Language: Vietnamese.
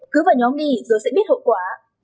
cứ vào nhóm đi rồi sẽ biết hậu quả